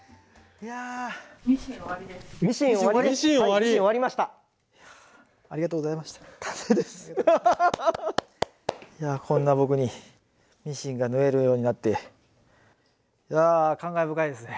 いやこんな僕にミシンが縫えるようになっていや感慨深いですね。